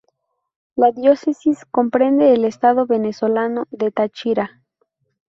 La diócesis comprende el estado venezolano de Táchira.